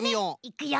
いくよ！